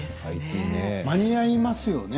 間に合いますよね。